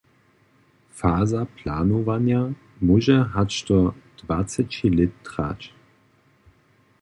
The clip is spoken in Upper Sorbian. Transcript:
Faza planowanja móže hač do dwaceći lět trać.